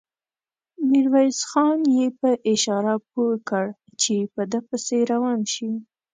ميرويس خان يې په اشاره پوه کړ چې په ده پسې روان شي.